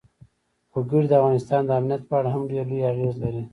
وګړي د افغانستان د امنیت په اړه هم ډېر لوی اغېز لري.